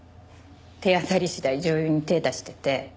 手当たり次第女優に手ぇ出してて。